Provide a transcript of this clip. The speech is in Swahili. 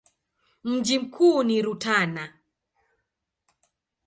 Mji mkuu ni Rutana.